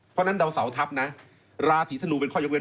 เพราะฉะนั้นดาวเสาทัพนะราศีธนูเป็นข้อยกเว้น